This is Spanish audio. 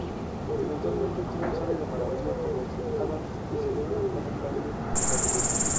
Eventualmente, todo sale de maravilla para los Addams y celebran con un baile familiar.